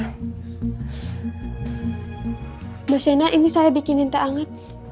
mbak shaina ini saya bikinin teh anget